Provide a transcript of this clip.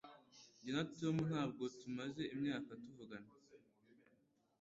Jye na Tom ntabwo tumaze imyaka tuvugana